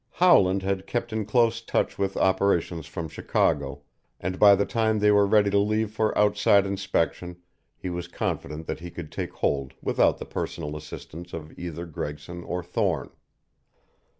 Howland had kept in close touch with operations from Chicago and by the time they were ready to leave for outside inspection he was confident that he could take hold without the personal assistance of either Gregson or Thorne.